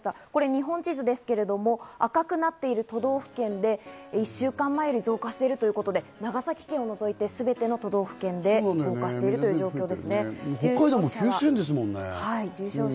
日本地図ですけれども、赤くなっている都道府県で、１週間前より増加しているということで、長崎県を除いて、すべての都道府県で増加しているという状況です。